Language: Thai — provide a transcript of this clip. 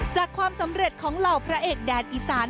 ความสำเร็จของเหล่าพระเอกแดดอีสาน